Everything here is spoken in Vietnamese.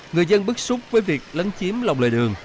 người dân bức xúc với việc lấn chiếm lòng lề đường